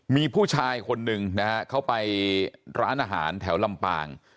มีผู้ชายคนหนึ่งนะฮะเขาไปร้านอาหารแถวลำปาง